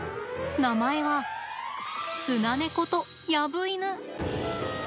名前はスナネコとヤブイヌ。